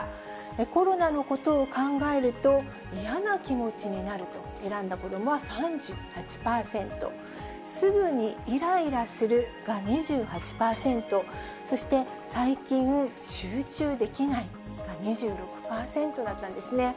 コロナのことを考えると嫌な気持ちになると選んだ子どもは３８％、すぐにいらいらするが２８％、そして最近、集中できないが２６％だったんですね。